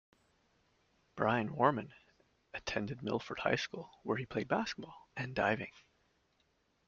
Brian Woermann attended Milford High School, where he played basketball and Diving.